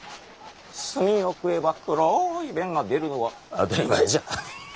炭を食えば黒い便が出るのは当たり前じゃ。